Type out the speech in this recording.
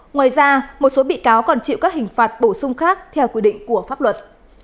ngoài ra một số bị cáo còn chịu các hình phạt bổ sung khác theo quy định của pháp luật